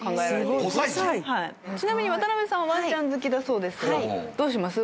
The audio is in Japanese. ちなみに渡邉さんはワンちゃん好きだそうですがどうします？